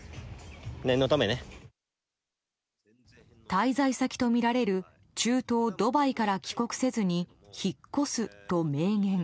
滞在先とみられる中東ドバイから帰国せずに引っ越すと明言。